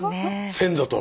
先祖と。